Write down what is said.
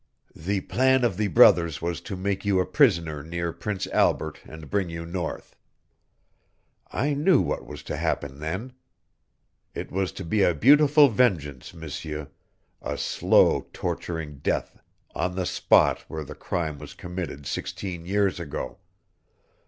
"The plan of the brothers was to make you a prisoner near Prince Albert and bring you north. I knew what was to happen then. It was to be a beautiful vengeance, M'seur a slow torturing death on the spot where the crime was committed sixteen years ago.